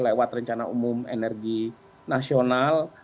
lewat rencana umum energi nasional